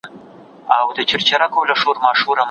په دغه کوڅې کي زموږ د تېر وخت یادګارونه دي.